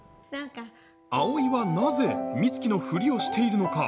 葵はなぜ美月のフリをしているのか？